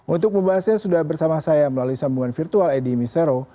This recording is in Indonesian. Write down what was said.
untuk pembahasannya sudah bersama saya melalui sambungan virtual edy misero